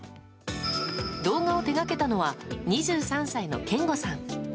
動画を手掛けたのは２３歳のけんごさん。